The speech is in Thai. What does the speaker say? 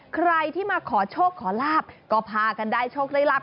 ใครที่มาขอโชคขอลาบก็พากันได้โชคได้ลาบ